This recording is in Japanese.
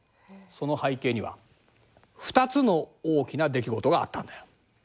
その背景には２つの大きな出来事があったんだよ。